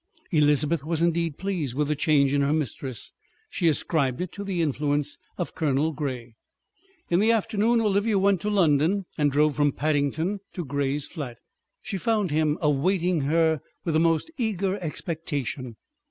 Elizabeth was indeed pleased with the change in her mistress. She ascribed it to the influence of Colonel Grey. In the afternoon Olivia went to London and drove from Paddington to Grey's flat. She found him awaiting her with the most eager expectation.